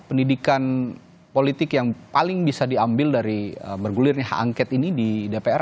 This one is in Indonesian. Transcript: pendidikan politik yang paling bisa diambil dari bergulirnya hak angket ini di dpr